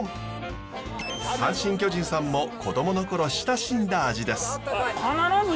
阪神・巨人さんも子供の頃親しんだ味です。